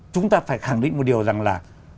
chúng ta phải khẳng định một điều rằng là